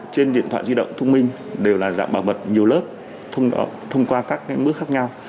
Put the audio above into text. trên điện thoại di động thông minh đều là dạng bảo mật nhiều lớp thông qua các mức khác nhau